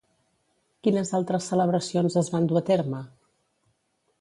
Quines altres celebracions es van dur a terme?